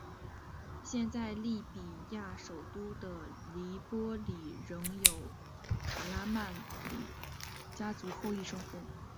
现在利比亚首都的黎波里仍有卡拉曼里家族后裔生活。